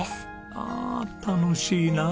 ああ楽しいなあ。